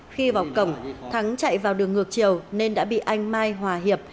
khi vào cổng thắng chạy vào đường ngược chiều nên đã bị anh mai hòa hiệp